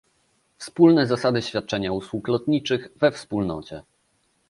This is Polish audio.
Wspólne zasady świadczenia usług lotniczych we Wspólnocie